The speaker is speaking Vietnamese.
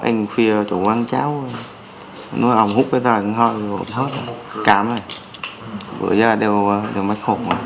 anh khuya chỗ quang cháo nó ống hút cái tài nó hôi